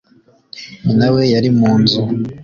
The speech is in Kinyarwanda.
nyina, we yali mu nzu